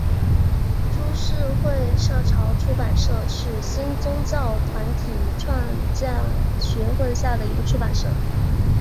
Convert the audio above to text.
株式会社潮出版社是新宗教团体创价学会下的一个出版社。